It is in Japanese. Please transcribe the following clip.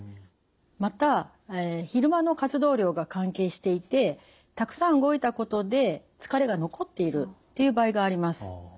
また昼間の活動量が関係していてたくさん動いたことで疲れが残っているっていう場合があります。